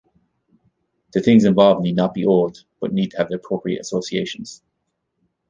The things involved need not be old, but need to have the appropriate associations.